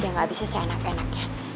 dia gak bisa seenak enak ya